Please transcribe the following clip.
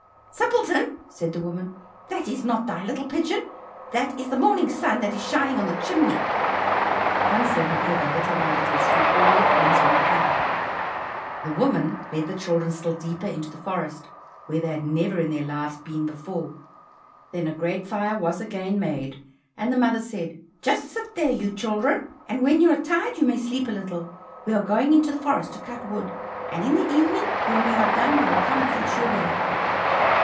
"Simpleton!" said the woman, "that is not thy little pigeon, that is the morning sun that is shining on the chimney." Hansel, however, little by little, threw all the crumbs on the path. The woman led the children still deeper into the forest, where they had never in their lives been before. Then a great fire was again made, and the mother said, "Just sit there, you children, and when you are tired you may sleep a little; we are going into the forest to cut wood, and in the evening when we are done, we will come and fetch you away."